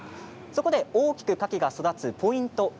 そこで、大きくカキが育つポイント